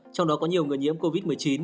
trong đó có nhiều người nhiễm covid một mươi chín